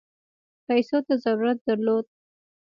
پیسو ته ضرورت درلود.